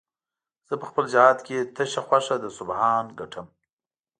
زه په خپل جهاد کې تشه خوښه د سبحان ګټم